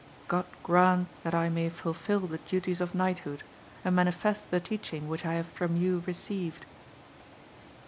God grant that I may fulfil the duties of knighthood, and manifest the teachiug which I have from you received.